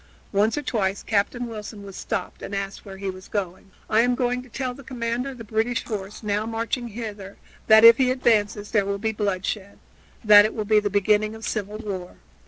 Once or twice Captain Wilson was stopped and asked where he was going. "I am going to tell the commander of the British force, now marching hither, that if he advances there will be bloodshed that it will be the beginning of civil war.